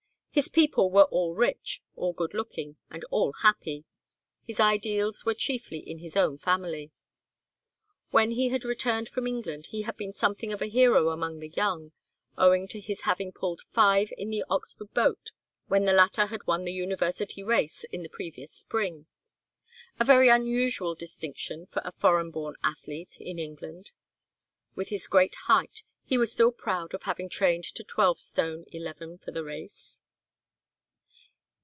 His people were all rich, all good looking, and all happy. His ideals were chiefly in his own family. When he had returned from England, he had been something of a hero among the young, owing to his having pulled five in the Oxford boat when the latter had won the University race in the previous spring, a very unusual distinction for a foreign born athlete in England. With his great height, he was still proud of having trained to twelve stone eleven for the race.